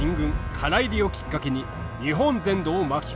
唐入りをきっかけに日本全土を巻き込む秀吉。